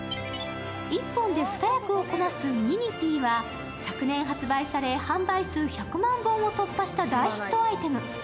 １本で２役をこなすニニピーは昨年発売され、販売数１００万本を突破した人気アイテム。